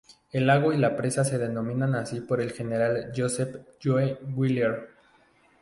El lago y la presa se denominan así por el general Joseph "Joe" Wheeler.